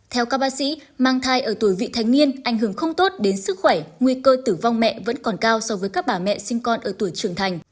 theo các bác sĩ mang thai ở tuổi vị thanh niên ảnh hưởng không tốt đến sức khỏe nguy cơ tử vong mẹ vẫn còn cao so với các bà mẹ sinh con ở tuổi trưởng thành